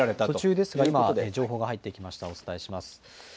途中ですが今、情報が入ってきました、お伝えします。